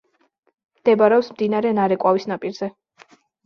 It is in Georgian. მდებარეობს მდინარე ნარეკვავის ნაპირზე.